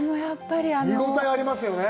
見応えがありますよね。